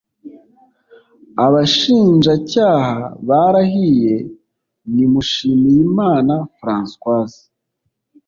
Abashinjacyaha barahiye ni Mushimiyimana Françoise